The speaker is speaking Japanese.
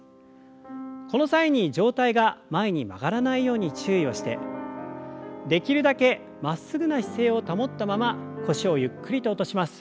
この際に上体が前に曲がらないように注意をしてできるだけまっすぐな姿勢を保ったまま腰をゆっくりと落とします。